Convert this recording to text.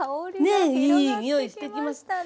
ねえいい匂いしてきました。